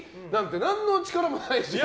何の力もないし。